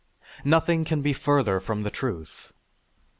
Nothing can be further from the truth.